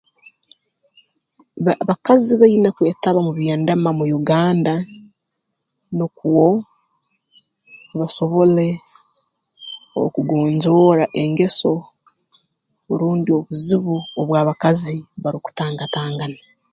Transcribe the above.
Abakazi baine kwetaba mu by'endema mu Uganda nukwo basobole okugonjoora engeso rundi obuzibu obu abakazi barukutangatangana